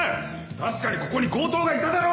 確かにここに強盗がいただろ！